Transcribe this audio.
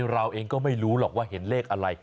เราเองก็ไม่รู้หรอกว่าเห็นเลขอะไร